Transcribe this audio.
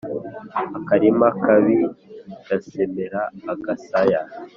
Akarimi kabi gasemera agasaya.